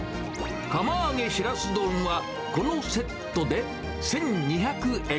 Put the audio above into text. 釜あげしらす丼は、このセットで１２００円。